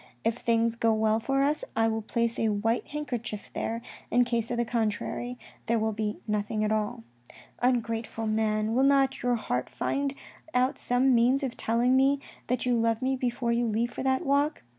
If things go well for us, I will place a white handkerchief there, in case of the contrary, there will be nothing at all. " Ungrateful man, will not your heart find out some means of telling me that you love me before you leave for that walk.